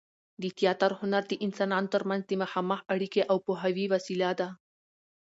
د تياتر هنر د انسانانو تر منځ د مخامخ اړیکې او پوهاوي وسیله ده.